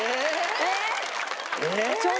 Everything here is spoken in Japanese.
えっ！